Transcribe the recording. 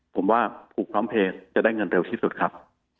ผมว่าผูกพร้อมเพลย์จะได้เงินเร็วที่สุดครับ